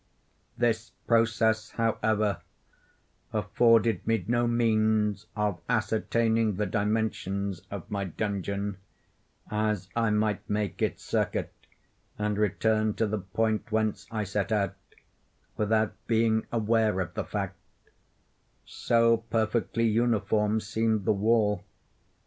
This process, however, afforded me no means of ascertaining the dimensions of my dungeon; as I might make its circuit, and return to the point whence I set out, without being aware of the fact; so perfectly uniform seemed the wall.